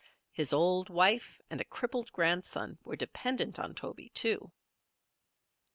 His old wife and a crippled grandson were dependent on Toby, too.